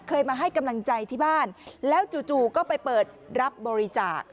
เคยมาให้กำลังใจที่บ้านแล้วจู่ก็ไปเปิดรับบริจาค